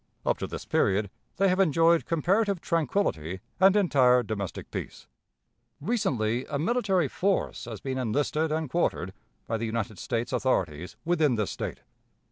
Up to this period they have enjoyed comparative tranquillity and entire domestic peace. "Recently a military force has been enlisted and quartered by the United States authorities within this State.